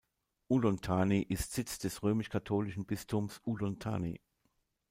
Udon Thani ist Sitz des römisch-katholischen Bistums Udon Thani.